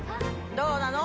どうなの？